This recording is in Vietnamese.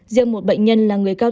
diện một bệnh nhân là người cao